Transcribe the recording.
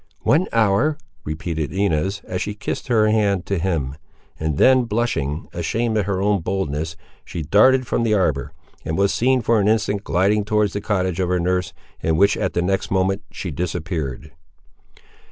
"One hour," repeated Inez, as she kissed her hand to him; and then blushing, ashamed at her own boldness, she darted from the arbour, and was seen for an instant gliding towards the cottage of her nurse, in which, at the next moment, she disappeared.